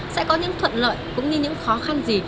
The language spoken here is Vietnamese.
sẽ có những thuận lợi cũng như những khó khăn gì